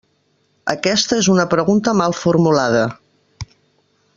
Aquesta és una pregunta mal formulada.